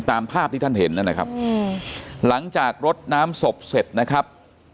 ตามภาพที่ท่านเห็นนะครับหลังจากรดน้ำศพเสร็จนะครับ